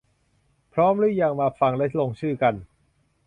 พร้อมหรือยัง ! มาฟังและลงชื่อกัน